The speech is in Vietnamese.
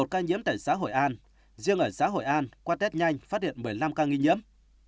một ca nhiễm tại xã hội an riêng ở xã hội an qua test nhanh phát hiện một mươi năm ca nghi nhiễm